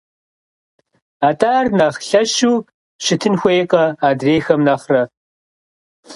АтӀэ ар нэхъ лъэщу щытын хуейкъэ адрейхэм нэхърэ?».